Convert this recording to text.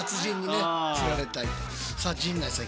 さあ陣内さん